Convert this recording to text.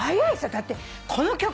だってこの曲は。